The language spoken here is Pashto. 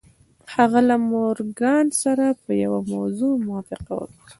هغه له مورګان سره په یوه موضوع موافقه وکړه